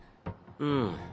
うん。